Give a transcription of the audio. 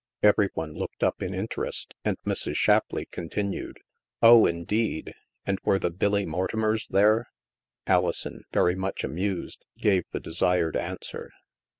Every one looked up in interest, and Mrs. Shap leigh continued: "Oh, indeed! And were the Billy Mortimers there ?'' Alison, very much amused, gave the desired an swer.